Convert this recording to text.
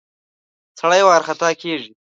سړی ورخطا کېږي.